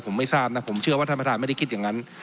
ผมไม่ทราบนะผมเชื่อว่าท่านประธานไม่ได้คิดอย่างนั้น